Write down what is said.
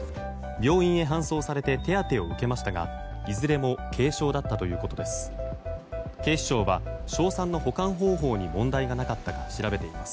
病院へ搬送されて手当てを受けましたがいずれも軽傷だったということです。